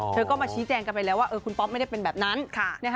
เธอก็มาชี้แจงกันไปแล้วว่าคุณป๊อปไม่ได้เป็นแบบนั้น